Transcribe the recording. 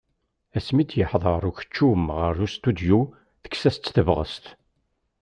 Asmi d-yeḥḍeṛ ukeččum γer ustudyu tekkes-as-tt tebγest.